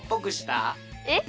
えっ？